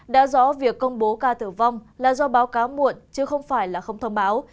đã rõ việc công bố ca tử vong là do báo cáo muộn chứ không phải là không thông báo